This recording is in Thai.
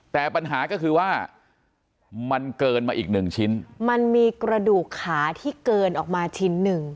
แต่ปัญหาก็คือว่ามันเกินมาอีกหนึ่งชิ้นมันมีกระดูกขาที่เกินออกมาชิ้นหนึ่ง